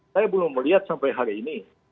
saya belum melihat sampai hari ini